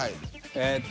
えっと